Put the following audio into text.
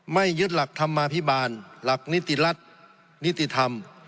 ยึดหลักธรรมาภิบาลหลักนิติรัฐนิติธรรม